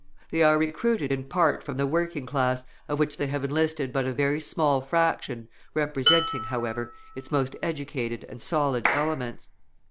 They are recruited in part from the working class, of which they have enlisted but a very small fraction representing, however, its most educated and solid elements.